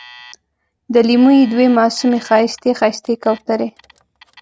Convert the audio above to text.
د لېمو یې دوې معصومې ښایستې، ښایستې کوترې